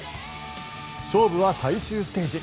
勝負は最終ステージ。